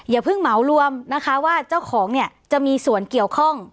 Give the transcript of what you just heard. อย่าเพิ่งเหมารวมนะคะว่าเจ้าของเนี่ยจะมีส่วนเกี่ยวข้อง